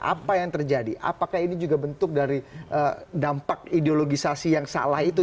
apa yang terjadi apakah ini juga bentuk dari dampak ideologisasi yang salah itu